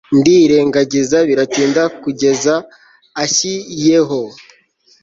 ndirengangiza biratinda kugeza anshiyeho